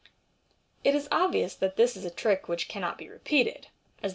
It is obvious thai this is a trick which cannot be repeated, as the MODERN MA GIC.